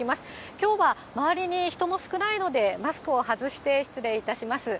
きょうは周りに人も少ないので、マスクを外して失礼いたします。